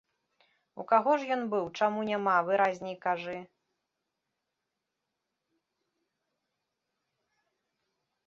У каго ж ён быў, чаму няма, выразней кажы.